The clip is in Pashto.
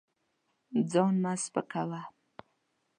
ځان مه سپکوه.